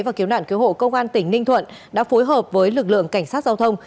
và cứu nạn cứu hộ công an tỉnh ninh thuận đã phối hợp với lực lượng cảnh sát giao thông